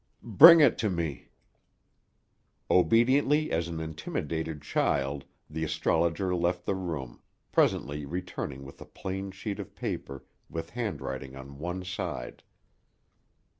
"Bring it to me." Obediently as an intimidated child, the astrologer left the room, presently returning with a plain sheet of paper with handwriting on one side.